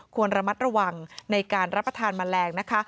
ควรระมัดระวังในการรับประทานแมลงนะคะ